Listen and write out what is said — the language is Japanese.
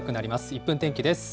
１分天気です。